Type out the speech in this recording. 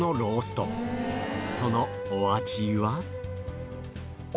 そのお味は？